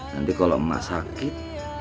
nanti kalau emak sakit